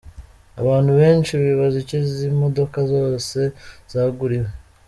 Abantu benshi bibaza icyo izi modoka zose zaguriwe.